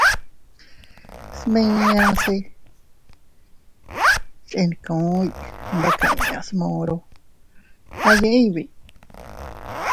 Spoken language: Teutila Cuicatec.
Smiñas chetkuy ndoko inñas moro aʼay yiʼi biʼi.